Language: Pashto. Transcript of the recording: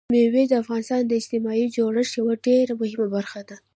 مېوې د افغانستان د اجتماعي جوړښت یوه ډېره مهمه برخه ده.